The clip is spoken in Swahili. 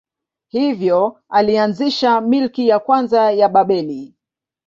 Hivyo alianzisha milki ya kwanza ya Babeli.